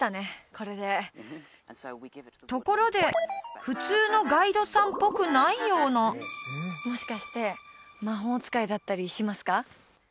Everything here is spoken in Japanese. これでところで普通のガイドさんっぽくないようなもしかして魔法使いだったりしますか？